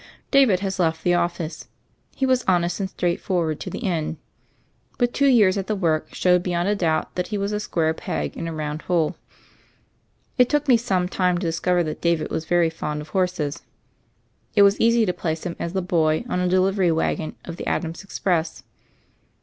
David has left the office. He was honest and straightforward to the end; but two years at the work showed beyond a doubt that he was a square peg in a round hole. It took me some time to discover that David was very fond of horses. It was easy to place him as the "boy" on a delivery wagon of the Adams' Express.